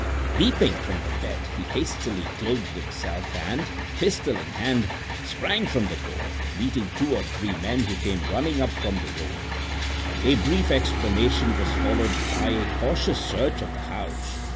Leaping from the bed he hastily clothed himself and, pistol in hand, sprang from the door, meeting two or three men who came running up from the road. A brief explanation was followed by a cautious search of the house.